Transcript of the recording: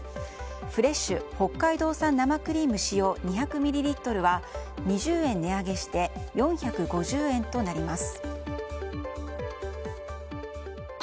フレッシュ北海道産生クリーム使用２００ミリリットルは２０円値上げして４５０円となります。